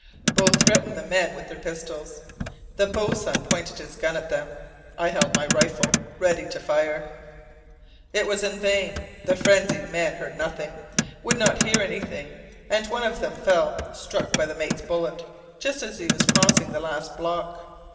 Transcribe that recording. Both threatened the men with their pistols. The boatswain pointed his gun at them. I held my rifle, ready to fire. It was in vain! The frenzied men heard nothing, would not hear anything, and one of them fell, struck by the mate's bullet, just as he was crossing the last block.